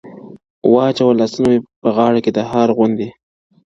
واچوه لاسونه مې په غاړه کې د هار غوندې